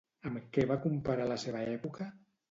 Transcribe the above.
Amb què va comparar la seva època?